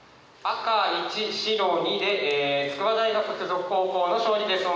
赤１白２で筑波大学附属高校の勝利です。